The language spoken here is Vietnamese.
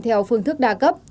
theo phương thức đa cấp